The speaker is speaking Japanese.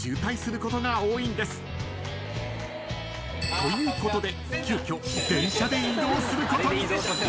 ということで］